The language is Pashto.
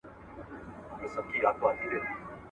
لویه جرګه د خطرناک بهرني یرغل پر وړاندي خپله غونډه چېرته کوي؟